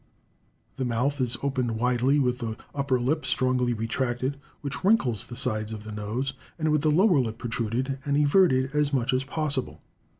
The mouth is opened widely, with the upper lip strongly retracted, which wrinkles the sides of the nose, and with the lower lip protruded and everted as much as possible.